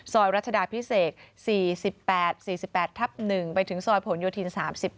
ซอยรัชดาพิเศก๔๘๔๘ทับ๑ไปถึงซอยโผนโยธีน๓๕